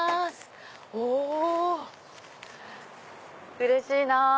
うれしいな！